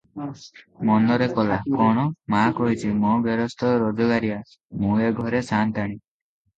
ମନରେ କଲା, "କଣ! ମା କହିଛି, ମୋ ଗେରସ୍ତ ରୋଜଗାରିଆ, ମୁଁ ଏ ଘରେ ସାନ୍ତାଣୀ ।